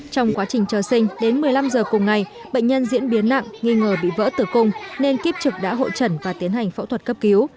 trong quá trình chờ sinh đến một mươi năm giờ cùng ngày bệnh nhân diễn biến nặng nghi ngờ bị vỡ tử cung nên kiếp trực đã hộ trần và tiến hành phẫu thuật cấp cứu